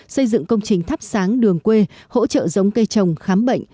xây dựng công trình thắp sáng đường quê hỗ trợ giống cây trồng khám bệnh